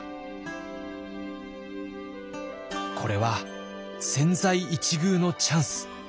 これは千載一遇のチャンス。